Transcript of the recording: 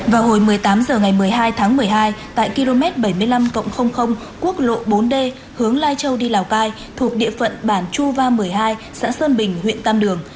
vào hồi một mươi tám h ngày một mươi hai tháng một mươi hai tại km bảy mươi năm quốc lộ bốn d hướng lai châu đi lào cai thuộc địa phận bản chu va một mươi hai xã sơn bình huyện tam đường